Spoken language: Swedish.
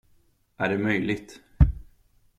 Är det möjligt?